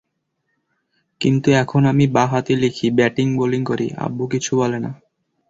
কিন্তু এখন আমি বাঁ হাতে লিখি, ব্যাটিং-বোলিং করি, আব্বু কিচ্ছু বলে না।